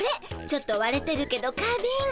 ちょっとわれてるけど花びん。